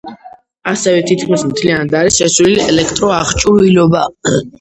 ასევე თითქმის მთლიანად არის შეცვლილი ელექტროაღჭურვილობა.